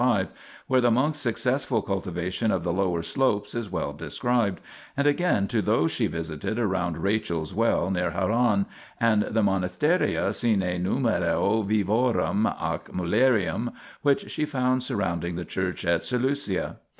5, where the monks' successful cultivation of the lower slopes is well described, and again to those she visited round Rachel's well near Haran, and the monasteria sine numero virorum ac mulierum which she found surrounding the church at Seleucia.